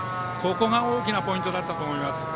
ここが大きなポイントだったと思います。